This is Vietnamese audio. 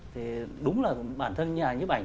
thì đúng là bản thân nhà nhịp ảnh